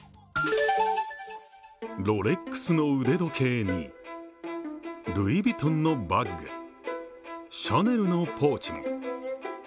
ロレックスの腕時計にルイ・ヴィトンのバッグ、シャネルのポーチも。